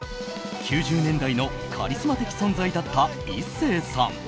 ９０年代のカリスマ的存在だった壱成さん。